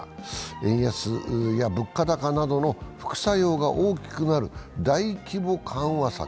円安や物価高などの副作用が大きくなる大規模緩和策。